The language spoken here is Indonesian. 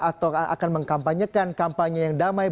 atau akan mengkampanyekan kampanye yang damai